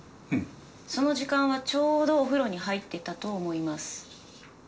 その時間はちょうどお風呂に入ってたと思います。